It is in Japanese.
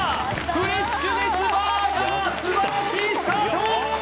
フレッシュネスバーガー素晴らしいスタート！